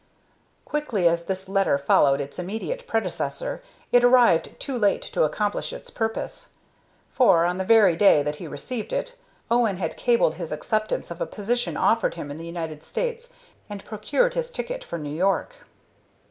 Quickly as this letter followed its immediate predecessor, it arrived too late to accomplish its purpose; for, on the very day that he received it, Owen had cabled his acceptance of a position offered him in the United States and procured his ticket for New York.